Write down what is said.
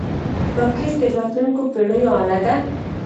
راکټ د راتلونکو پېړیو اله ده